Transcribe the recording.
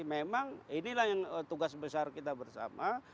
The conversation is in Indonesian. memang inilah yang tugas besar kita bersama